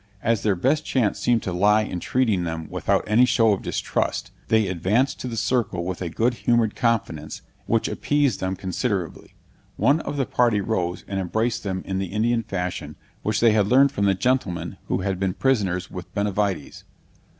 As their best chance seemed to lie in treating them without any show of distrust, they advanced to the circle with a good humored confidence, which appeased them considerably. One of the party rose and embraced them in the Indian fashion, which they had learned from the gentlemen who had been prisoners with Benavides.